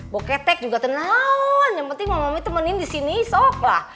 mau ketek juga tenang yang penting mau mami temenin di sini soklah